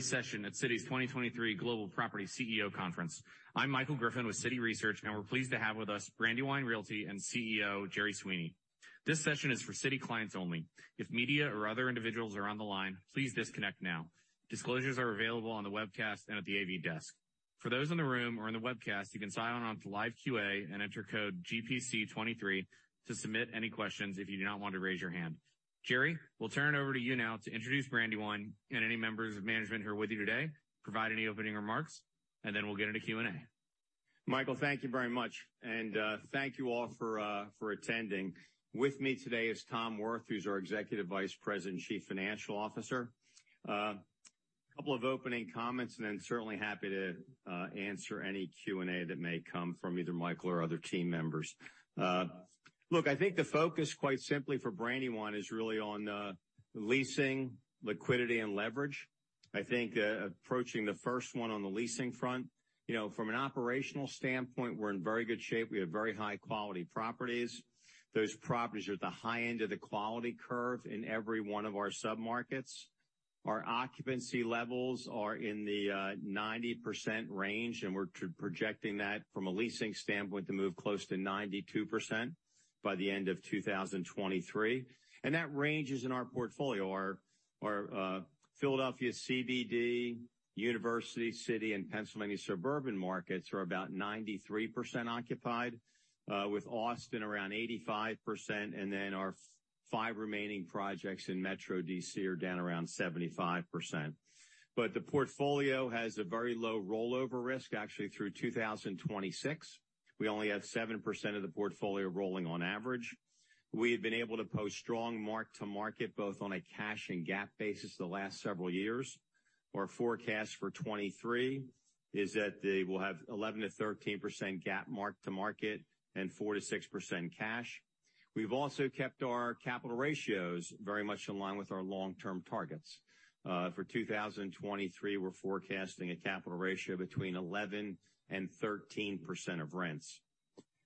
session at Citi's 2023 Global Property CEO Conference. I'm Michael Griffin with Citi Research, we're pleased to have with us Brandywine Realty and CEO Jerry Sweeney. This session is for Citi clients only. If media or other individuals are on the line, please disconnect now. Disclosures are available on the webcast and at the AV desk. For those in the room or in the webcast, you can sign on to live Q&A and enter code GPC23 to submit any questions if you do not want to raise your hand. Jerry, we'll turn it over to you now to introduce Brandywine and any members of management who are with you today, provide any opening remarks, then we'll get into Q&A. Michael, thank you very much. Thank you all for attending. With me today is Tom Wirth, who's our Executive Vice President, Chief Financial Officer. A couple of opening comments and then certainly happy to answer any Q&A that may come from either Michael or other team members. Look, I think the focus, quite simply for Brandywine is really on leasing, liquidity, and leverage. I think, approaching the first one on the leasing front. You know, from an operational standpoint, we're in very good shape. We have very high quality properties. Those properties are at the high end of the quality curve in every one of our submarkets. Our occupancy levels are in the 90% range, and we're projecting that from a leasing standpoint to move close to 92% by the end of 2023. That range is in our portfolio. Our Philadelphia CBD, University City, and Pennsylvania suburban markets are about 93% occupied, with Austin around 85%, and then our 5 remaining projects in Metro D.C. are down around 75%. The portfolio has a very low rollover risk actually through 2026. We only have 7% of the portfolio rolling on average. We have been able to post strong mark-to-market, both on a cash and GAAP basis the last several years. Our forecast for 2023 is that they will have 11%-13% GAAP mark-to-market and 4%-6% cash. We've also kept our capital ratios very much in line with our long-term targets. For 2023, we're forecasting a capital ratio between 11% and 13% of rents.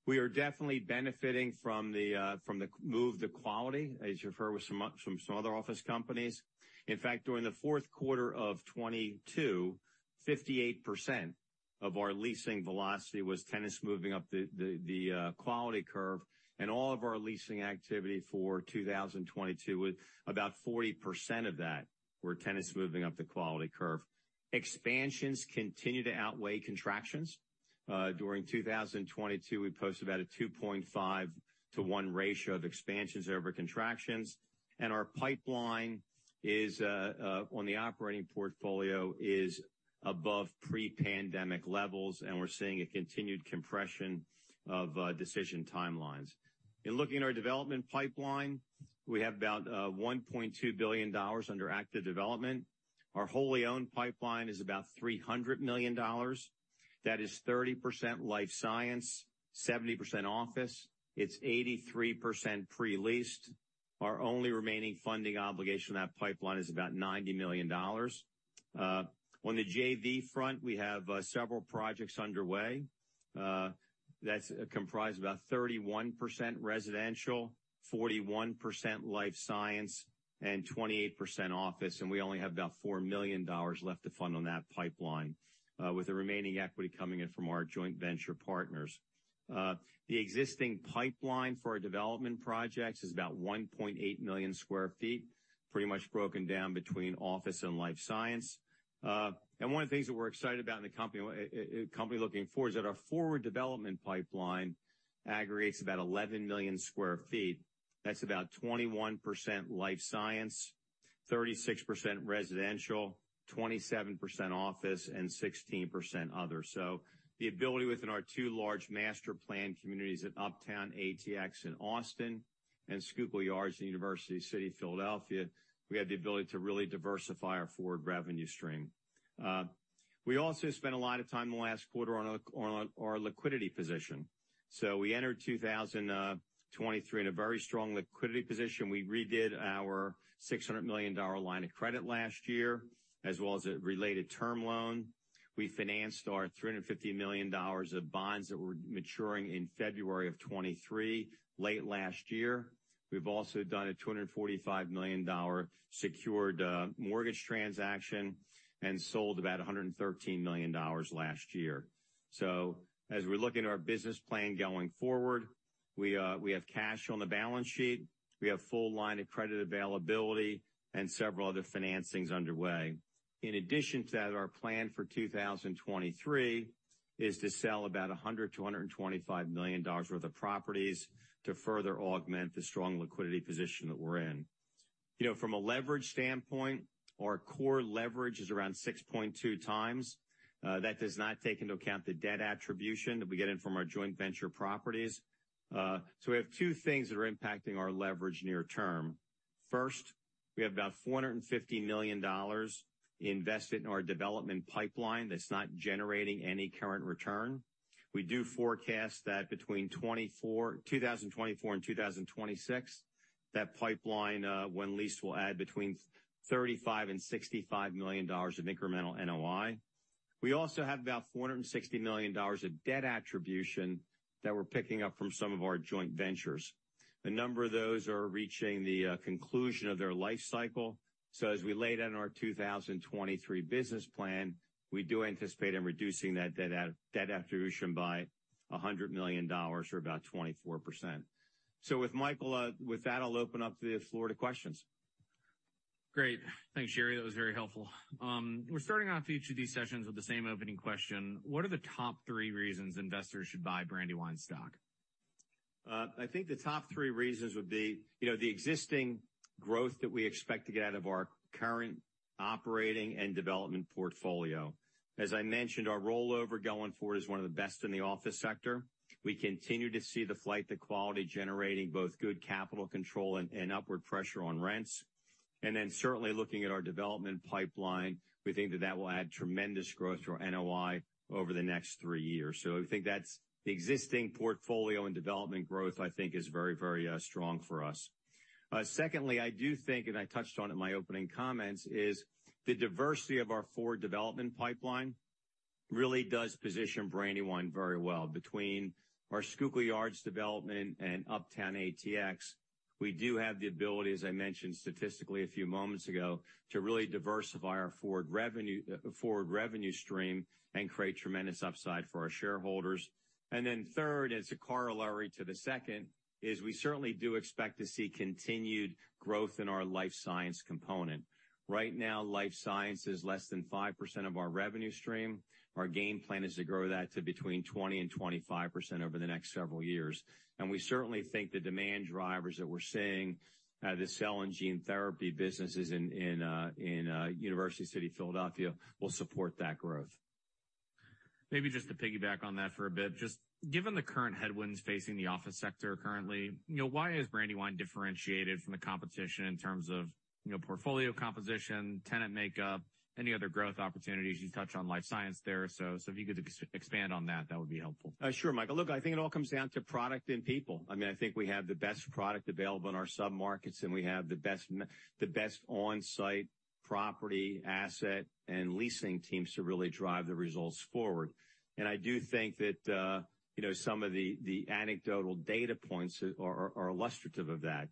We are definitely benefiting from the move to quality, as you refer with some other office companies. In fact, during the fourth quarter of 2022, 58% of our leasing velocity was tenants moving up the quality curve. All of our leasing activity for 2022, about 40% of that were tenants moving up the quality curve. Expansions continue to outweigh contractions. During 2022, we posted about a 2.5 to 1 ratio of expansions over contractions. Our pipeline is on the operating portfolio is above pre-pandemic levels, and we're seeing a continued compression of decision timelines. In looking at our development pipeline, we have about $1.2 billion under active development. Our wholly owned pipeline is about $300 million. That is 30% life science, 70% office. It's 83% pre-leased. Our only remaining funding obligation on that pipeline is about $90 million. On the JV front, we have several projects underway, that's comprised of about 31% residential, 41% life science, and 28% office, and we only have about $4 million left to fund on that pipeline, with the remaining equity coming in from our joint venture partners. The existing pipeline for our development projects is about 1.8 million sq ft, pretty much broken down between office and life science. One of the things that we're excited about in the company looking forward is that our forward development pipeline aggregates about 11 million sq ft. That's about 21% life science, 36% residential, 27% office, and 16% other. The ability within our two large master planned communities at Uptown ATX in Austin and Schuylkill Yards in University City, Philadelphia, we have the ability to really diversify our forward revenue stream. We also spent a lot of time in the last quarter on our liquidity position. We entered 2023 in a very strong liquidity position. We redid our $600 million line of credit last year, as well as a related term loan. We financed our $350 million of bonds that were maturing in February of 2023, late last year. We've also done a $245 million secured mortgage transaction and sold about $113 million last year. As we look into our business plan going forward, we have cash on the balance sheet. We have full line of credit availability and several other financings underway. In addition to that, our plan for 2023 is to sell about $100 million-$125 million worth of properties to further augment the strong liquidity position that we're in. You know, from a leverage standpoint, our core leverage is around 6.2 times. That does not take into account the debt attribution that we get in from our joint venture properties. We have two things that are impacting our leverage near term. First, we have about $450 million invested in our development pipeline that's not generating any current return. We do forecast that between 2024 and 2026, that pipeline, when leased, will add between $35 million and $65 million of incremental NOI. We also have about $460 million of debt attribution that we're picking up from some of our joint ventures. A number of those are reaching the conclusion of their life cycle. As we laid out in our 2023 business plan, we do anticipate in reducing that debt attribution by $100 million or about 24%. With Michael, with that, I'll open up the floor to questions. Great. Thanks, Jerry. That was very helpful. We're starting off each of these sessions with the same opening question. What are the top three reasons investors should buy Brandywine stock? I think the top 3 reasons would be, you know, the existing growth that we expect to get out of our current operating and development portfolio. As I mentioned, our rollover going forward is 1 of the best in the office sector. We continue to see the flight to quality generating both good capital control and upward pressure on rents. Certainly looking at our development pipeline, we think that that will add tremendous growth to our NOI over the next 3 years. I think that's the existing portfolio, and development growth, I think is very strong for us. Secondly, I do think, and I touched on it in my opening comments, is the diversity of our forward development pipeline really does position Brandywine very well. Between our Schuylkill Yards development and Uptown ATX, we do have the ability, as I mentioned statistically a few moments ago, to really diversify our forward revenue, forward revenue stream and create tremendous upside for our shareholders. Third, as a corollary to the second, is we certainly do expect to see continued growth in our life science component. Right now, life science is less than 5% of our revenue stream. Our game plan is to grow that to between 20% and 25% over the next several years. We certainly think the demand drivers that we're seeing, the cell and gene therapy businesses in University City, Philadelphia, will support that growth. Maybe just to piggyback on that for a bit. Just given the current headwinds facing the office sector currently, you know, why is Brandywine differentiated from the competition in terms of, you know, portfolio composition, tenant makeup, any other growth opportunities? You touched on life science there, so if you could expand on that would be helpful. Sure, Michael. Look, I think it all comes down to product and people. I mean, I think we have the best product available in our submarkets, and we have the best on-site property, asset, and leasing teams to really drive the results forward. I do think that, you know, some of the anecdotal data points are illustrative of that.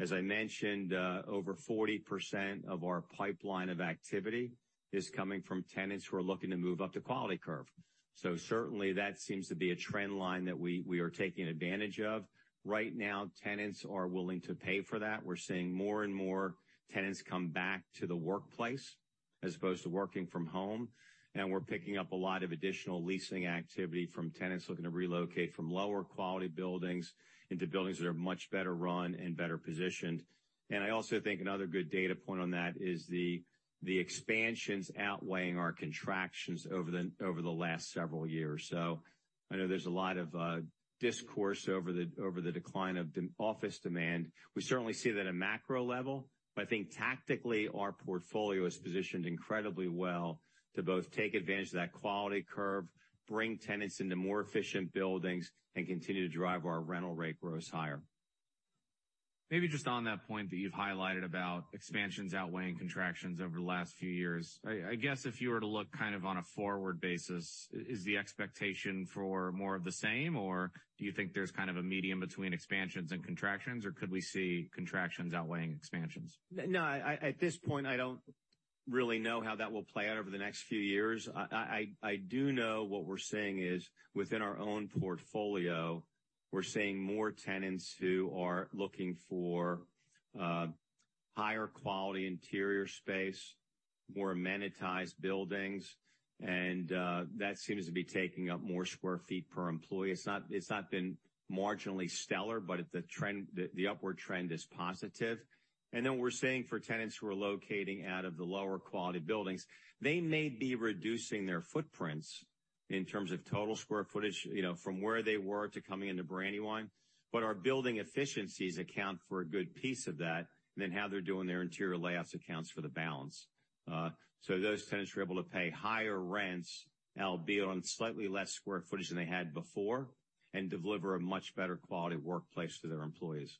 As I mentioned, over 40% of our pipeline of activity is coming from tenants who are looking to move up the quality curve. Certainly, that seems to be a trend line that we are taking advantage of. Right now, tenants are willing to pay for that. We're seeing more and more tenants come back to the workplace as opposed to working from home. We're picking up a lot of additional leasing activity from tenants looking to relocate from lower quality buildings into buildings that are much better run and better positioned. I also think another good data point on that is the expansions outweighing our contractions over the last several years. I know there's a lot of discourse over the decline of office demand. We certainly see it at a macro level, but I think tactically, our portfolio is positioned incredibly well to both take advantage of that quality curve, bring tenants into more efficient buildings, and continue to drive our rental rate growth higher. Maybe just on that point that you've highlighted about expansions outweighing contractions over the last few years. I guess if you were to look kind of on a forward basis, is the expectation for more of the same, or do you think there's kind of a medium between expansions and contractions, or could we see contractions outweighing expansions? No, I at this point, I don't really know how that will play out over the next few years. I do know what we're seeing is within our own portfolio, we're seeing more tenants who are looking for higher quality interior space, more amenitized buildings, and that seems to be taking up more sq ft per employee. It's not been marginally stellar, but the upward trend is positive. Then we're seeing for tenants who are locating out of the lower quality buildings, they may be reducing their footprints in terms of total square footage, you know, from where they were to coming into Brandywine. Our building efficiencies account for a good piece of that, and then how they're doing their interior layouts accounts for the balance. Those tenants are able to pay higher rents, albeit on slightly less square footage than they had before, and deliver a much better quality workplace to their employees.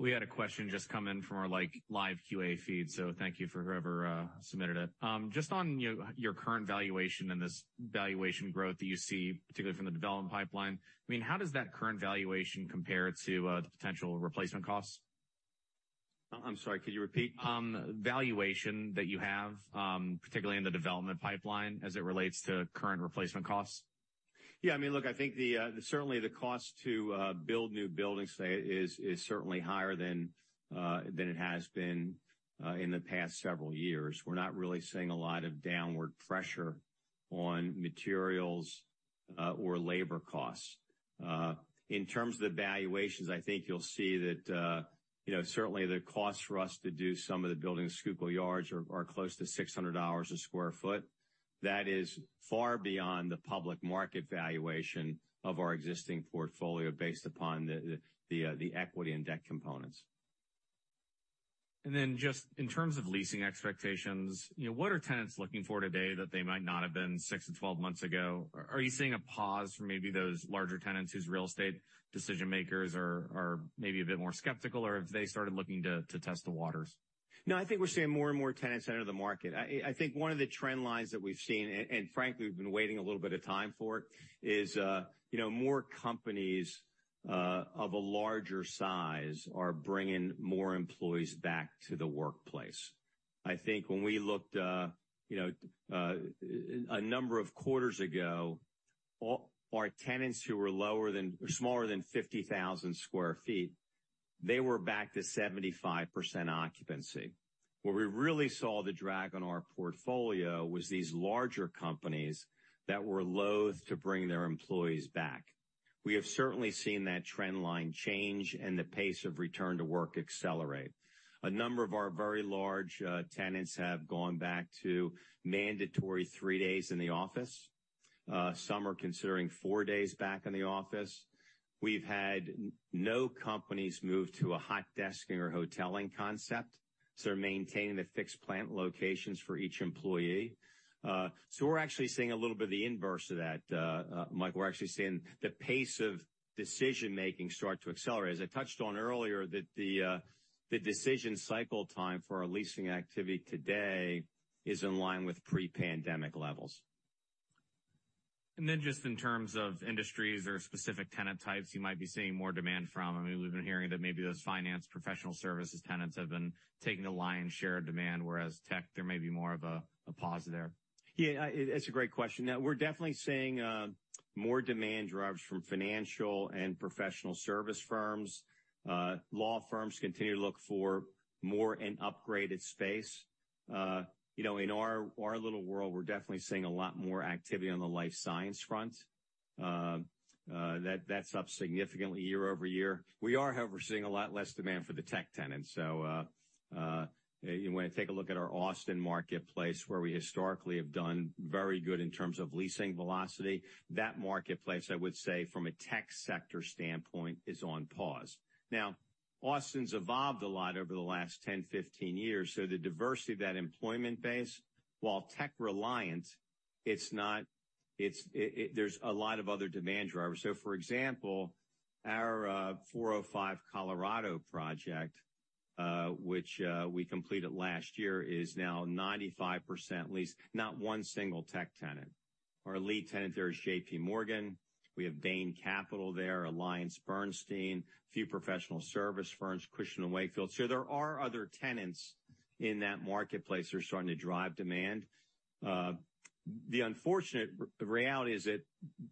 We had a question just come in from our, like, live QA feed. Thank you for whoever submitted it. Just on, you know, your current valuation and this valuation growth that you see, particularly from the development pipeline, I mean, how does that current valuation compare to the potential replacement costs? I'm sorry, could you repeat? Valuation that you have, particularly in the development pipeline as it relates to current replacement costs. Yeah, I mean, look, I think the certainly the cost to build new buildings today is certainly higher than it has been in the past several years. We're not really seeing a lot of downward pressure on materials or labor costs. In terms of the valuations, I think you'll see that, you know, certainly the cost for us to do some of the buildings at Schuylkill Yards are close to $600 a sq ft. That is far beyond the public market valuation of our existing portfolio based upon the equity and debt components. Just in terms of leasing expectations, you know, what are tenants looking for today that they might not have been 6-12 months ago? Are you seeing a pause from maybe those larger tenants whose real estate decision makers are maybe a bit more skeptical, or have they started looking to test the waters? No, I think we're seeing more and more tenants enter the market. I think one of the trend lines that we've seen and frankly, we've been waiting a little bit of time for it, is, you know, more companies of a larger size are bringing more employees back to the workplace. I think when we looked, you know, a number of quarters ago, our tenants who were smaller than 50,000 sq ft, they were back to 75% occupancy. Where we really saw the drag on our portfolio was these larger companies that were loathe to bring their employees back. We have certainly seen that trend line change and the pace of return to work accelerate. A number of our very large tenants have gone back to mandatory 3 days in the office. Some are considering four days back in the office. We've had no companies move to a hot desking or hoteling concept, so they're maintaining the fixed plant locations for each employee. We're actually seeing a little bit of the inverse of that, Mike. We're actually seeing the pace of decision-making start to accelerate. As I touched on earlier, that the decision cycle time for our leasing activity today is in line with pre-pandemic levels. Then just in terms of industries or specific tenant types you might be seeing more demand from. I mean, we've been hearing that maybe those finance professional services tenants have been taking the lion's share of demand, whereas tech, there may be more of a pause there. Yeah, it's a great question. We're definitely seeing more demand drivers from financial and professional service firms. Law firms continue to look for more and upgraded space. You know, in our little world, we're definitely seeing a lot more activity on the life science front. That's up significantly year-over-year. We are, however, seeing a lot less demand for the tech tenants. When you take a look at our Austin marketplace, where we historically have done very good in terms of leasing velocity, that marketplace, I would say, from a tech sector standpoint, is on pause. Austin's evolved a lot over the last 10, 15 years, so the diversity of that employment base, while tech-reliant, there's a lot of other demand drivers. For example, our 405 Colorado project, which we completed last year, is now 95% leased, not one single tech tenant. Our lead tenant there is JPMorgan. We have Bain Capital there, AllianceBernstein, a few professional service firms, Cushman & Wakefield. There are other tenants in that marketplace that are starting to drive demand. The unfortunate reality is that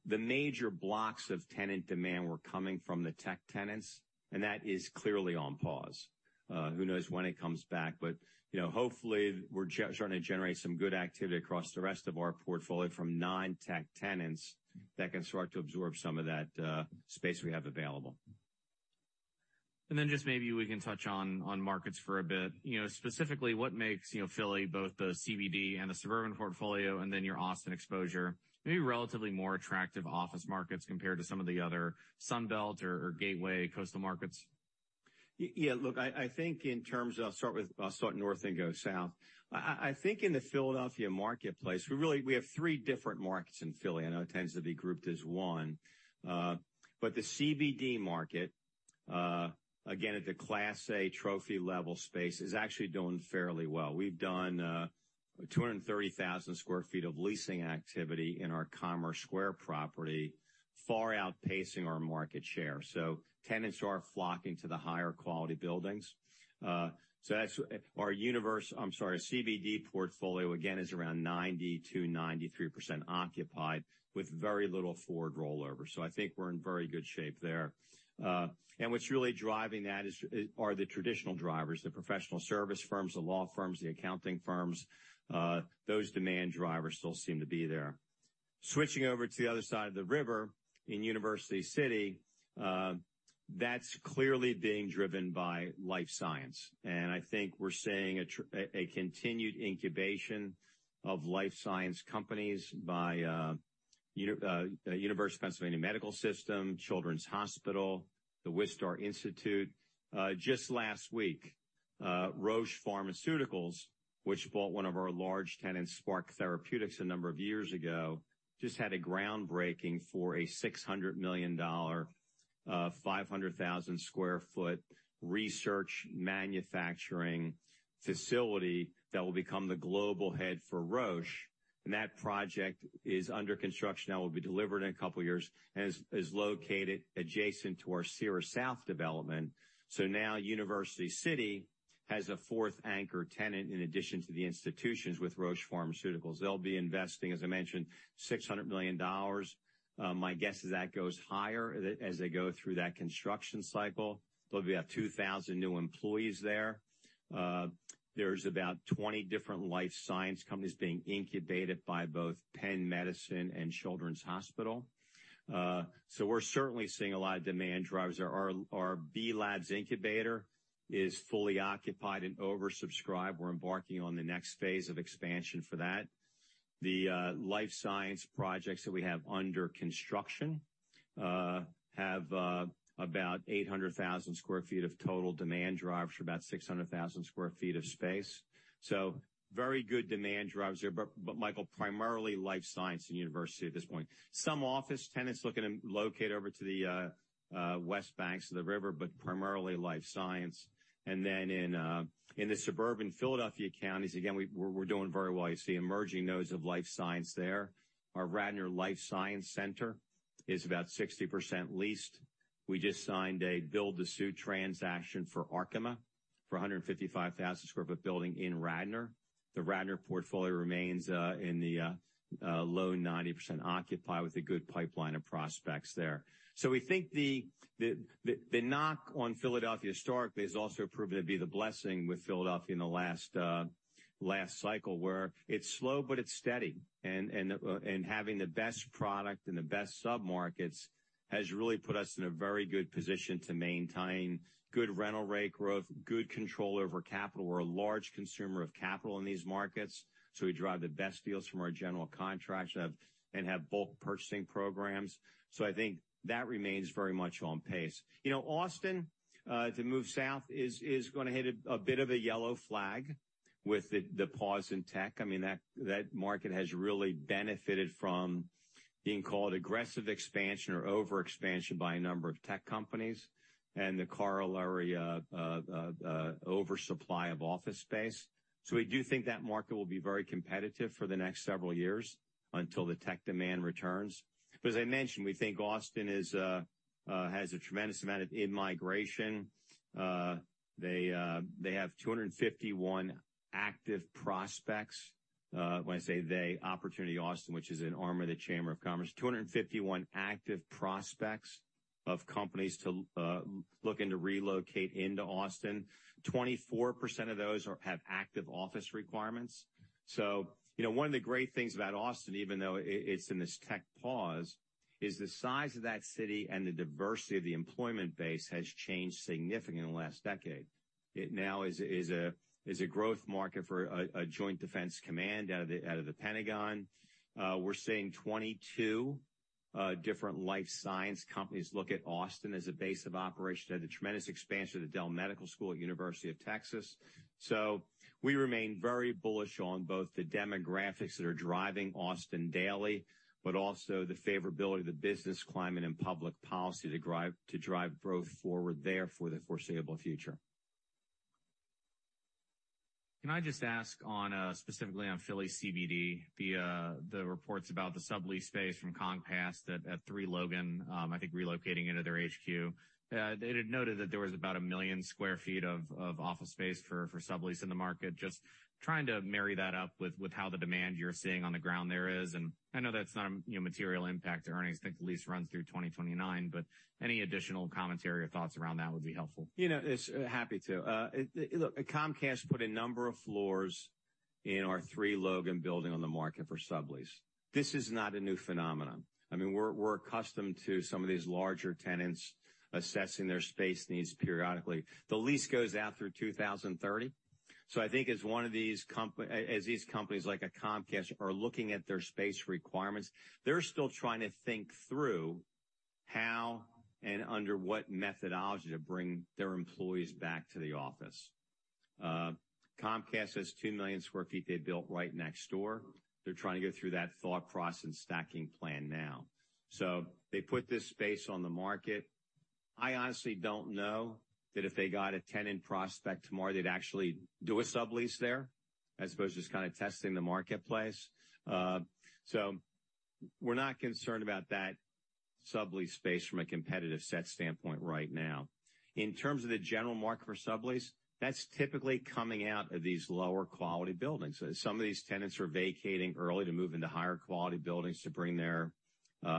the major blocks of tenant demand were coming from the tech tenants, and that is clearly on pause. Who knows when it comes back, but, you know, hopefully we're starting to generate some good activity across the rest of our portfolio from non-tech tenants that can start to absorb some of that space we have available. Just maybe we can touch on markets for a bit. You know, specifically, what makes, you know, Philly, both the CBD and the suburban portfolio and then your Austin exposure, maybe relatively more attractive office markets compared to some of the other Sun Belt or gateway coastal markets? Yeah, look, I think in terms of, I'll start with, I'll start north and go south. I think in the Philadelphia marketplace, we have three different markets in Philly. I know it tends to be grouped as one. The CBD market, again, at the Class A trophy level space, is actually doing fairly well. We've done 230,000 sq ft of leasing activity in our Commerce Square property, far outpacing our market share. Tenants are flocking to the higher quality buildings. Our universe, I'm sorry, our CBD portfolio again is around 90%-93% occupied with very little forward rollover. I think we're in very good shape there. What's really driving that are the traditional drivers, the professional service firms, the law firms, the accounting firms. Those demand drivers still seem to be there. Switching over to the other side of the river in University City, that's clearly being driven by life science. I think we're seeing a continued incubation of life science companies by University of Pennsylvania Medical System, Children's Hospital, The Wistar Institute. Just last week, Roche Pharmaceuticals, which bought one of our large tenants, Spark Therapeutics, a number of years ago, just had a groundbreaking for a $600 million, 500,000 sq ft research manufacturing facility that will become the global head for Roche. That project is under construction now, will be delivered in a couple years, and is located adjacent to our Cira Centre South development. Now University City has a fourth anchor tenant in addition to the institutions with Roche Pharmaceuticals. They'll be investing, as I mentioned, $600 million. My guess is that goes higher as they go through that construction cycle. There'll be about 2,000 new employees there. There's about 20 different life science companies being incubated by both Penn Medicine and Children's Hospital. We're certainly seeing a lot of demand drivers. Our B.Labs incubator is fully occupied and oversubscribed. We're embarking on the next phase of expansion for that. The life science projects that we have under construction have about 800,000 sq ft of total demand drivers for about 600,000 sq ft of space. Very good demand drivers there. Michael, primarily life science and university at this point. Some office tenants looking to locate over to the west banks of the river, primarily life science. In the suburban Philadelphia counties, again, we're doing very well. You see emerging nodes of life science there. Our Radnor Life Science Center is about 60% leased. We just signed a build to suit transaction for Arkema for a 155,000 sq ft building in Radnor. The Radnor portfolio remains in the low 90% occupied with a good pipeline of prospects there. We think the knock on Philadelphia historically has also proven to be the blessing with Philadelphia in the last last cycle, where it's slow but it's steady. Having the best product and the best sub-markets has really put us in a very good position to maintain good rental rate growth, good control over capital. We're a large consumer of capital in these markets, so we drive the best deals from our general contracts and have bulk purchasing programs. I think that remains very much on pace. You know, Austin, to move south, is gonna hit a bit of a yellow flag with the pause in tech. I mean, that market has really benefited from being called aggressive expansion or over-expansion by a number of tech companies and the corollary of oversupply of office space. We do think that market will be very competitive for the next several years until the tech demand returns. As I mentioned, we think Austin has a tremendous amount of in-migration. They have 251 active prospects. When I say they, Opportunity Austin, which is an arm of the Chamber of Commerce. 251 active prospects of companies looking to relocate into Austin. 24% of those have active office requirements. You know, one of the great things about Austin, even though it's in this tech pause, is the size of that city and the diversity of the employment base has changed significantly in the last decade. It now is a growth market for a joint defense command out of the Pentagon. We're seeing 22 different life science companies look at Austin as a base of operation. They had the tremendous expansion of Dell Medical School at University of Texas at Austin. we remain very bullish on both the demographics that are driving Austin daily, but also the favorability of the business climate and public policy to drive growth forward there for the foreseeable future. Can I just ask on specifically on Philly CBD, the reports about the sublease space from Comcast at Three Logan, I think relocating into their HQ? They had noted that there was about 1 million sq ft of office space for sublease in the market. Just trying to marry that up with how the demand you're seeing on the ground there is. I know that's not a, you know, material impact to earnings. I think the lease runs through 2029. Any additional commentary or thoughts around that would be helpful. You know, it's. Happy to. Look, Comcast put a number of floors in our Three Logan building on the market for sublease. This is not a new phenomenon. I mean, we're accustomed to some of these larger tenants assessing their space needs periodically. The lease goes out through 2030. I think as these companies like a Comcast are looking at their space requirements, they're still trying to think through how and under what methodology to bring their employees back to the office. Comcast has 2 million sq ft they built right next door. They're trying to go through that thought process and stacking plan now. They put this space on the market. I honestly don't know that if they got a tenant prospect tomorrow, they'd actually do a sublease there as opposed to just kind of testing the marketplace. We're not concerned about that sublease space from a competitive set standpoint right now. In terms of the general market for sublease, that's typically coming out of these lower quality buildings. Some of these tenants are vacating early to move into higher quality buildings to bring their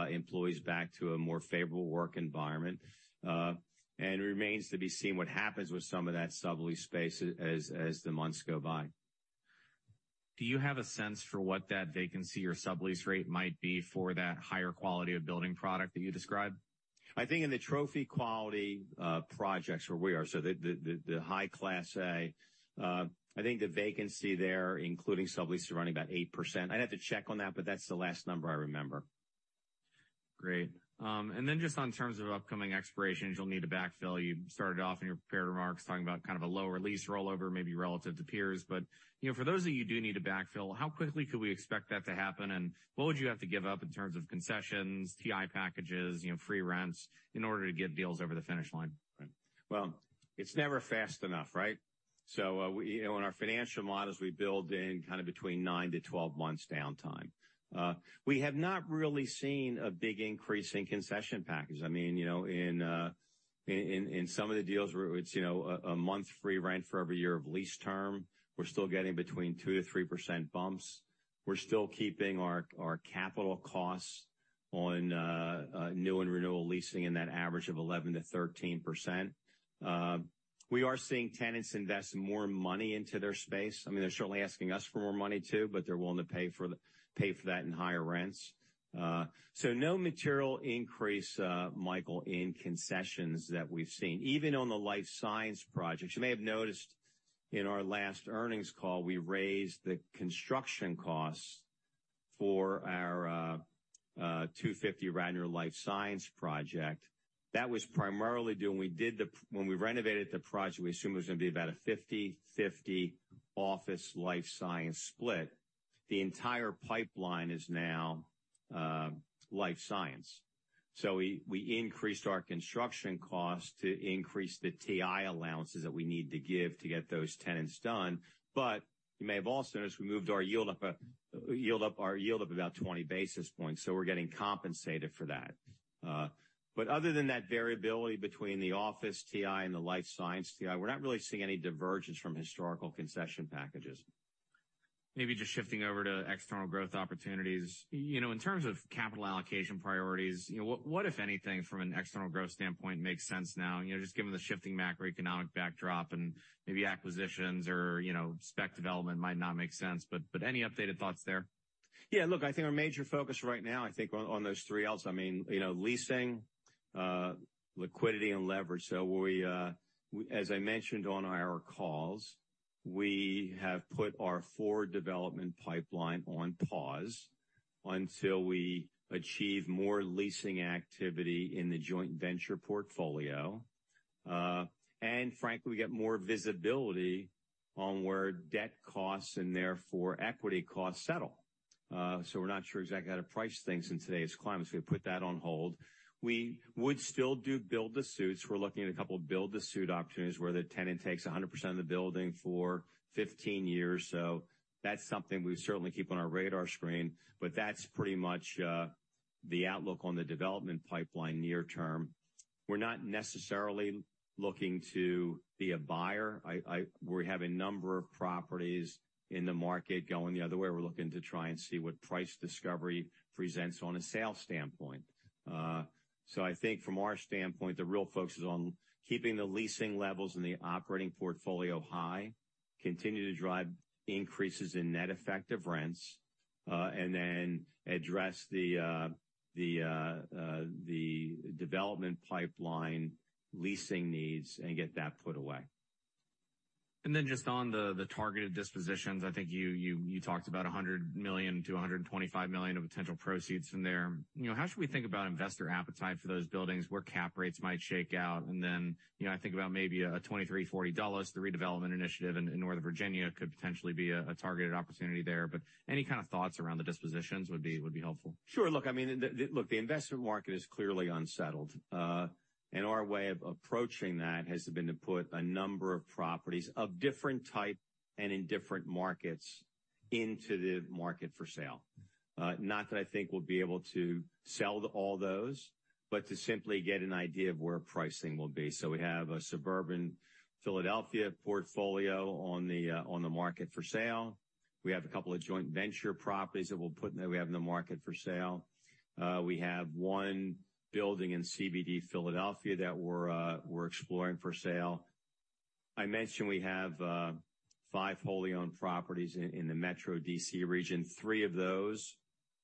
employees back to a more favorable work environment. It remains to be seen what happens with some of that sublease space as the months go by. Do you have a sense for what that vacancy or sublease rate might be for that higher quality of building product that you described? I think in the trophy quality projects where we are, so the high Class A, I think the vacancy there, including sublease, are running about 8%. I'd have to check on that, but that's the last number I remember. Great. Just on terms of upcoming expirations you'll need to backfill. You started off in your prepared remarks talking about kind of a lower lease rollover, maybe relative to peers. You know, for those of you who do need to backfill, how quickly could we expect that to happen? What would you have to give up in terms of concessions, TI packages, you know, free rents, in order to get deals over the finish line? It's never fast enough, right? You know, in our financial models, we build in kind of between 9-12 months downtime. We have not really seen a big increase in concession package. I mean, you know, in some of the deals where it's, you know, a month free rent for every year of lease term, we're still getting between 2%-3% bumps. We're still keeping our capital costs on new and renewal leasing in that average of 11%-13%. We are seeing tenants invest more money into their space. I mean, they're certainly asking us for more money too, but they're willing to pay for that in higher rents. No material increase, Michael, in concessions that we've seen. Even on the life science projects. You may have noticed in our last earnings call, we raised the construction costs for our 250 Radnor Life Science project. That was primarily due when we renovated the project, we assumed it was gonna be about a 50/50 office life science split. The entire pipeline is now life science. We increased our construction costs to increase the TI allowances that we need to give to get those tenants done. You may have also noticed we moved our yield up about 20 basis points. We're getting compensated for that. Other than that variability between the office TI and the life science TI, we're not really seeing any divergence from historical concession packages. Maybe just shifting over to external growth opportunities. You know, in terms of capital allocation priorities, you know, what, if anything, from an external growth standpoint makes sense now, you know, just given the shifting macroeconomic backdrop and maybe acquisitions or, you know, spec development might not make sense, but any updated thoughts there? Yeah, look, I think our major focus right now, I think on those 3 Ls, I mean, you know, leasing, liquidity and leverage. As I mentioned on our calls, we have put our forward development pipeline on pause until we achieve more leasing activity in the joint venture portfolio. Frankly, we get more visibility on where debt costs and therefore equity costs settle. We're not sure exactly how to price things in today's climate, so we put that on hold. We would still do build to suits. We're looking at a couple of build to suit opportunities where the tenant takes 100% of the building for 15 years. That's something we certainly keep on our radar screen, but that's pretty much the outlook on the development pipeline near term. We're not necessarily looking to be a buyer. We have a number of properties in the market going the other way. We're looking to try and see what price discovery presents on a sales standpoint. I think from our standpoint, the real focus is on keeping the leasing levels in the operating portfolio high, continue to drive increases in net effective rents, and then address the development pipeline leasing needs and get that put away. Just on the targeted dispositions, I think you talked about $100 million-$125 million of potential proceeds from there. You know, how should we think about investor appetite for those buildings, where cap rates might shake out, and then, you know, I think about maybe a 2340 Dulles, the redevelopment initiative in Northern Virginia could potentially be a targeted opportunity there. Any kind of thoughts around the dispositions would be helpful. Sure. Look, I mean, Look, the investment market is clearly unsettled. Our way of approaching that has been to put a number of properties of different type and in different markets into the market for sale. Not that I think we'll be able to sell all those, but to simply get an idea of where pricing will be. We have a suburban Philadelphia portfolio on the market for sale. We have a couple of joint venture properties that we'll put in that we have in the market for sale. We have one building in CBD Philadelphia that we're exploring for sale. I mentioned we have five wholly owned properties in the Metro D.C. region. Three of those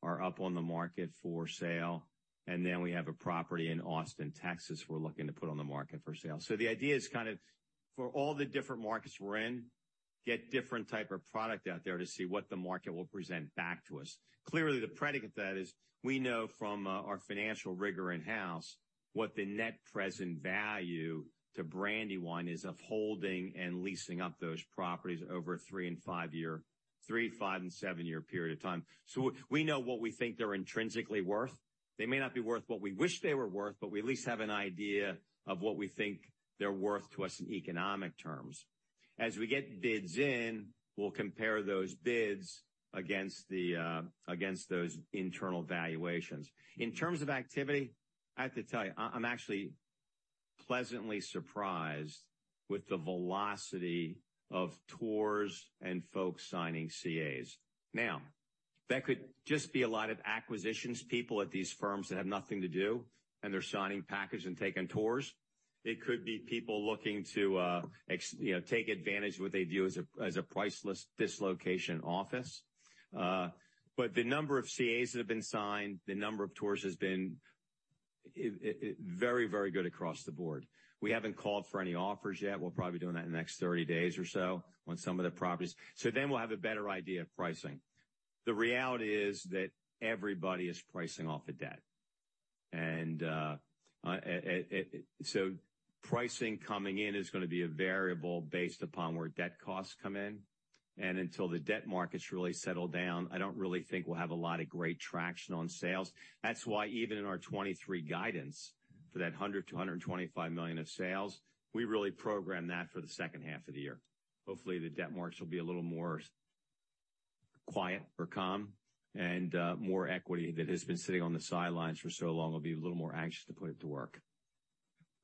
are up on the market for sale, and then we have a property in Austin, Texas, we're looking to put on the market for sale. The idea is kind of for all the different markets we're in, get different type of product out there to see what the market will present back to us. Clearly, the predicate to that is we know from our financial rigor in-house what the net present value to Brandywine is of holding and leasing up those properties over a 3- and 5-year, 3, 5, and 7-year period of time. We know what we think they're intrinsically worth. They may not be worth what we wish they were worth, but we at least have an idea of what we think they're worth to us in economic terms. As we get bids in, we'll compare those bids against those internal valuations. In terms of activity, I have to tell you, I'm actually pleasantly surprised with the velocity of tours and folks signing CAs. That could just be a lot of acquisitions people at these firms that have nothing to do, and they're signing package and taking tours. It could be people looking to, you know, take advantage of what they view as a, as a priceless dislocation office. The number of CAs that have been signed, the number of tours has been very, very good across the board. We haven't called for any offers yet. We'll probably doing that in the next 30 days or so on some of the properties. We'll have a better idea of pricing. The reality is that everybody is pricing off of debt. Pricing coming in is gonna be a variable based upon where debt costs come in. Until the debt markets really settle down, I don't really think we'll have a lot of great traction on sales. That's why even in our 2023 guidance for that $100 million-$125 million of sales, we really program that for the second half of the year. Hopefully, the debt markets will be a little more quiet or calm and more equity that has been sitting on the sidelines for so long will be a little more anxious to put it to work.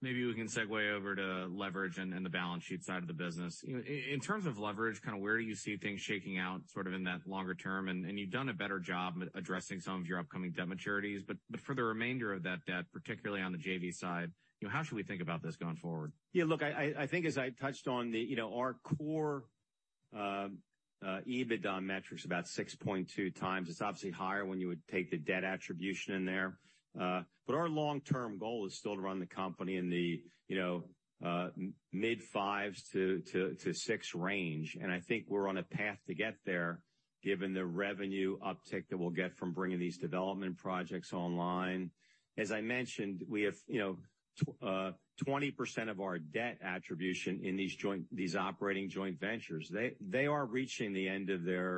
Maybe we can segue over to leverage and the balance sheet side of the business. I mean, in terms of leverage, kind of where do you see things shaking out sort of in that longer term? You've done a better job at addressing some of your upcoming debt maturities. For the remainder of that debt, particularly on the JV side, you know, how should we think about this going forward? Yeah, look, I, I think as I touched on the, you know, our core EBITDA metrics about 6.2x. It's obviously higher when you would take the debt attribution in there. Our long-term goal is still to run the company in the, you know, mid 5s to 6 range. I think we're on a path to get there given the revenue uptick that we'll get from bringing these development projects online. As I mentioned, we have, you know, 20% of our debt attribution in these operating joint ventures. They are reaching the end of their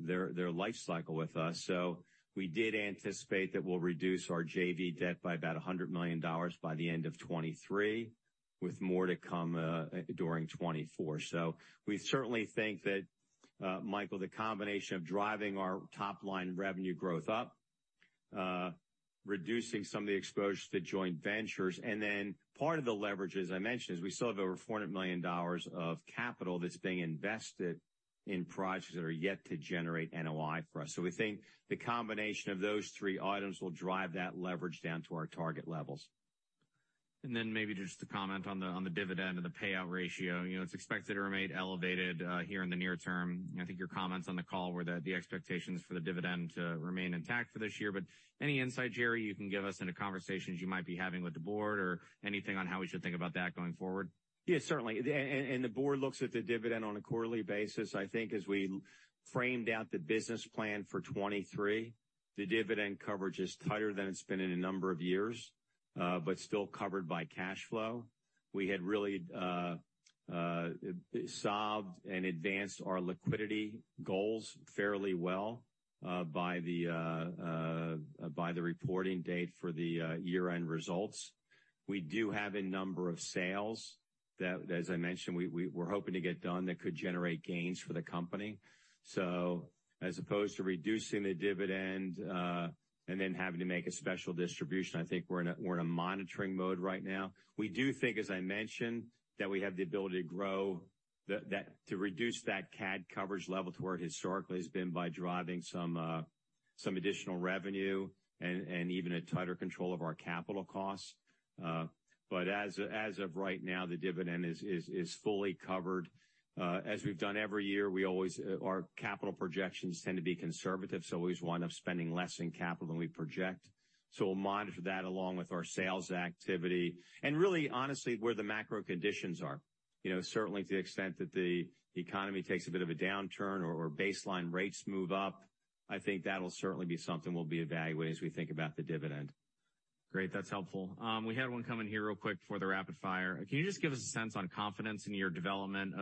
life cycle with us, so we did anticipate that we'll reduce our JV debt by about $100 million by the end of 2023, with more to come during 2024. We certainly think that, Michael, the combination of driving our top line revenue growth up, reducing some of the exposure to joint ventures and then part of the leverage, as I mentioned, is we still have over $400 million of capital that's being invested in projects that are yet to generate NOI for us. We think the combination of those three items will drive that leverage down to our target levels. Maybe just to comment on the, on the dividend and the payout ratio. You know, it's expected to remain elevated here in the near term. I think your comments on the call were that the expectations for the dividend remain intact for this year. Any insight, Jerry, you can give us into conversations you might be having with the board or anything on how we should think about that going forward? Yes, certainly. The board looks at the dividend on a quarterly basis. I think as we framed out the business plan for 2023, the dividend coverage is tighter than it's been in a number of years, but still covered by cash flow. We had really solved and advanced our liquidity goals fairly well by the reporting date for the year-end results. We do have a number of sales that, as I mentioned, we're hoping to get done that could generate gains for the company. As opposed to reducing the dividend, and then having to make a special distribution, I think we're in a monitoring mode right now. We do think, as I mentioned, that we have the ability to grow that to reduce that CAD coverage level to where it historically has been by driving some additional revenue and even a tighter control of our capital costs. Of right now, the dividend is fully covered. As we've done every year, we always our capital projections tend to be conservative, so we always wind up spending less in capital than we project. We'll monitor that along with our sales activity and really honestly, where the macro conditions are. You know, certainly to the extent that the economy takes a bit of a downturn or baseline rates move up, I think that'll certainly be something we'll be evaluating as we think about the dividend. Great. That's helpful. We had one come in here real quick for the rapid fire. Can you just give us a sense on confidence in your development,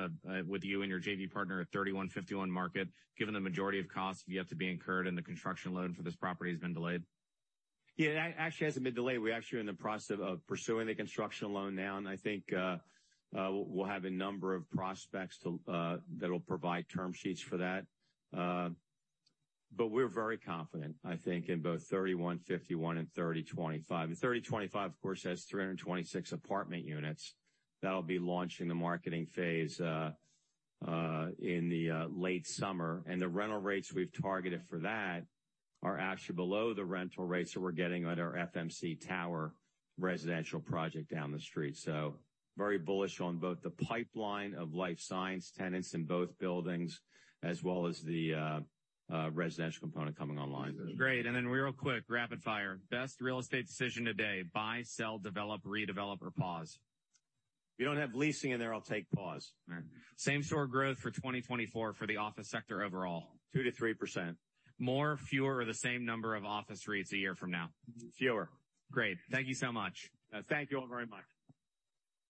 with you and your JV partner at 3151 Market, given the majority of costs have yet to be incurred and the construction loan for this property has been delayed? Yeah. Actually, it hasn't been delayed. We're actually in the process of pursuing the construction loan now, and I think we'll have a number of prospects to that'll provide term sheets for that. We're very confident, I think, in both 3151 and 3025. The 3025 of course has 326 apartment units that'll be launching the marketing phase in the late summer. The rental rates we've targeted for that are actually below the rental rates that we're getting at our FMC Tower residential project down the street. Very bullish on both the pipeline of life science tenants in both buildings as well as the residential component coming online. Great. Real quick, rapid fire. Best real estate decision today: buy, sell, develop, redevelop, or pause? You don't have leasing in there, I'll take pause. All right. Same store growth for 2024 for the office sector overall? 2%-3%. More, fewer, or the same number of office REITs a year from now? Fewer. Great. Thank you so much. Thank you all very much.